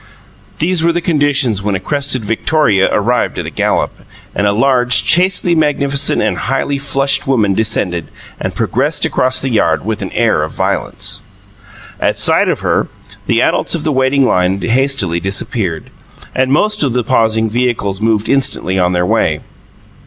These were the conditions when a crested victoria arrived at a gallop, and a large, chastely magnificent and highly flushed woman descended, and progressed across the yard with an air of violence. At sight of her, the adults of the waiting line hastily disappeared, and most of the pausing vehicles moved instantly on their way.